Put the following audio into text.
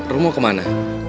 rom mau kemana